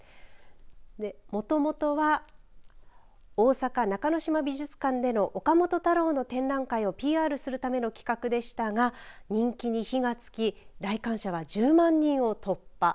もともとは、大阪中之島美術館での岡本太郎の展覧会をＰＲするための企画でしたが人気に火がつき来館者は１０万人を突破。